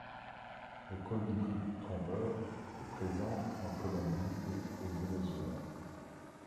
Le Colibri trompeur est présent en Colombie et au Venezuela.